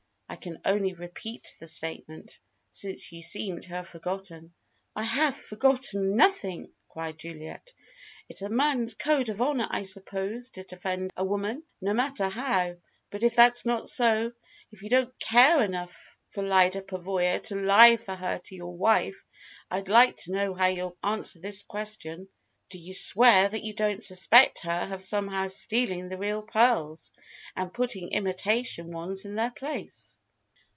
I can only repeat the statement, since you seem to have forgotten." "I have forgotten nothing!" cried Juliet. "It's a man's code of honour, I suppose, to defend a woman, no matter how. But if that's not so if you don't care enough for Lyda Pavoya to lie for her to your wife, I'd like to know how you'll answer this question: Do you swear that you don't suspect her of somehow stealing the real pearls, and putting imitation ones in their place?"